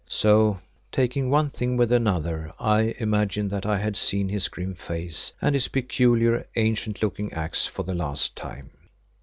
So taking one thing with another I imagined that I had seen his grim face and his peculiar, ancient looking axe for the last time.